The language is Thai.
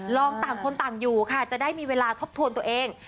ต่างคนต่างอยู่ค่ะจะได้มีเวลาทบทวนตัวเอง